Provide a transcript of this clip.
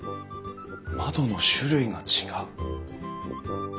窓の種類が違う。